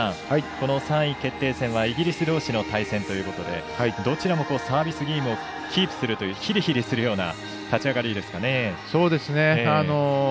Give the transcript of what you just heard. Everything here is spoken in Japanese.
この３位決定戦はイギリスどうしの対戦ということでどちらもサービスゲームをキープするというひりひりするような立ち上がりですかね。